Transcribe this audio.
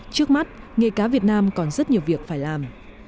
trước mắt nghề cá việt nam còn rất nhiều việc phải làm